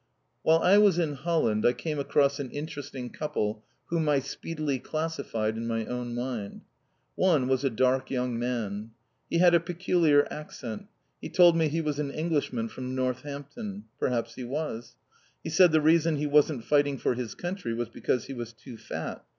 While I was in Holland I came across an interesting couple whom I speedily classified in my own mind. One was a dark young man. He had a peculiar accent. He told me he was an Englishman from Northampton. Perhaps he was. He said the reason he wasn't fighting for his country was because he was too fat.